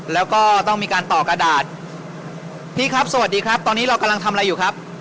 แล้วก็ต้องมีการต่อกระดาษพี่ครับสวัสดีครับตอนนี้เรากำลังทำอะไรอยู่ครับ